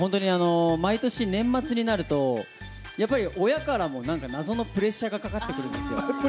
毎年、年末になるとやっぱり、親からも謎のプレッシャーがかかってくるんですよ。